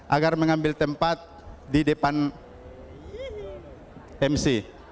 agar mengambil tempat di depan mc